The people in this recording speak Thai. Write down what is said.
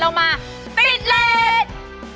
เรามาติดเรท